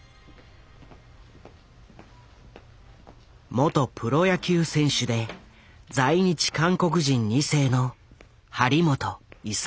元プロ野球選手で在日韓国人二世の張本勲。